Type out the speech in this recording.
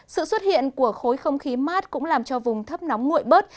sự xuất hiện của khối không khí mát cũng làm cho vùng thấp nóng nguội bớt